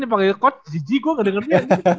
dia panggil coach gigi gue gak dengerin